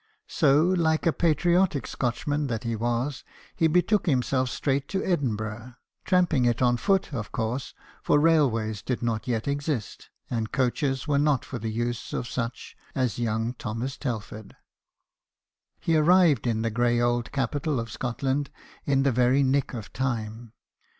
So, like a patriotic Scotchman that he was, he betook himself straight to Edinburgh, tramping it on foot, of course, for railways did not yet exist, and coaches were not for the use of such as young Thomas Telford. He arrived in the grey old capital of Scotland in the very nick of time.